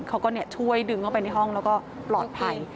เขาก็ช่วยดึงเข้าไปในห้องแล้วก็ปลอดภัย